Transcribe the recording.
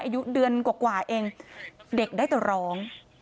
อายุเดือนกว่าเองเด็กได้แต่ร้อง